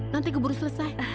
nanti keburu selesai